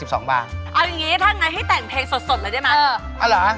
เอาอย่างงี้ทั้งนั้นให้แต่งเพลงสดเลยได้มั้ย